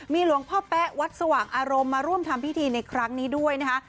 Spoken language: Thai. หลวงพ่อแป๊ะวัดสว่างอารมณ์มาร่วมทำพิธีในครั้งนี้ด้วยนะคะ